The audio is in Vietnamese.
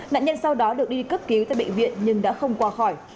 nạn nhân sau đó được đi cấp cứu tại bệnh viện nhưng đã không qua khỏi